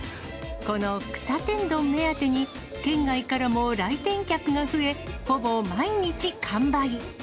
この草天丼目当てに、県外からも来店客が増え、ほぼ毎日完売。